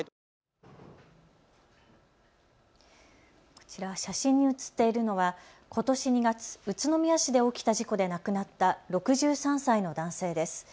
こちら写真に写っているのはことし２月、宇都宮市で起きた事故で亡くなった６３歳の男性です。